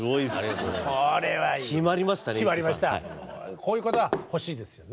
こういう言葉が欲しいですよね。